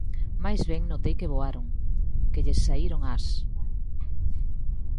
Máis ben notei que voaron, que lles saíron ás.